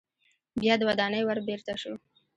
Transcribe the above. بیا د ودانۍ ور بیرته شو.